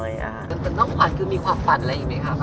แต่น้องขวัญคือมีความฝันอะไรอีกไหมค่ะ